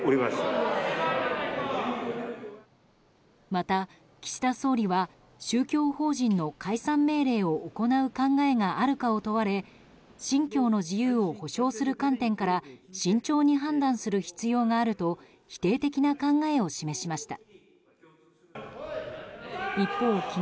また、岸田総理は宗教法人の解散命令を行う考えがあるかを問われ信教の自由を保障する観点から慎重に判断する必要があると否定的な考えを示しました。